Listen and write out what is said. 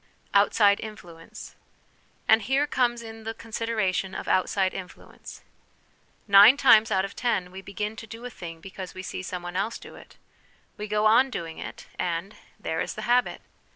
Outside Influence. And here comes in the consideration of outside influence. Nine times out of ten we begin to do a thing because we see some one else do it ; we go on doing it, and there is the habit